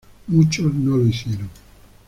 Muchos no lo hicieron.